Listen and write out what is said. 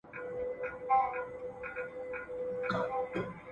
رابعه په صالون کې خپله تېره زمانه یادوي.